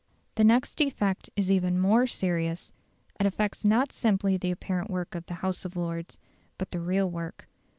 The next defect is even more serious: it affects not simply the apparent work of the House of Lords but the real work.